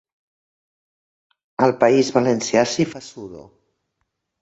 Al País Valencià s'hi fa suro.